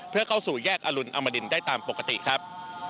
เพื่อเข้าสู่แยกอรุณอมดินได้ตามปกติครับ